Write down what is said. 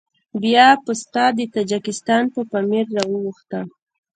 بيا پسته د تاجکستان په پامير راواوښتم.